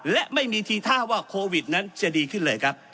และไม่มีทีท่าว่าโควิดนั้นจะดีขึ้นเลยครับ